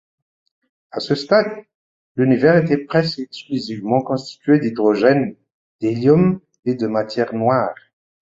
À ce stade, l'Univers était presque exclusivement constitué d'hydrogène, d'hélium et de matière noire.